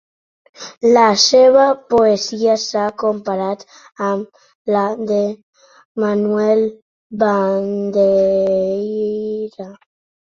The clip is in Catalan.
La seva poesia s'ha comparat amb la de Manuel Bandeira.